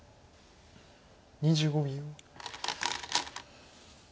２５秒。